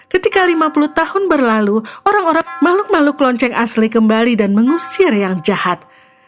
ketika lima puluh tahun berlalu orang orang makhluk makhluk lonceng asli kembali dan mengusir yang jahat